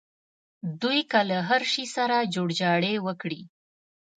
دوی که له هر شي سره جوړجاړی وکړي.